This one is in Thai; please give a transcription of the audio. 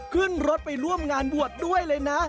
ขึ้นรถไปร่วมงานบวชด้วยเลยนะ